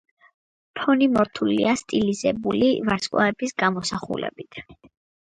ფონი მორთულია სტილიზებული ვარსკვლავების გამოსახულებით.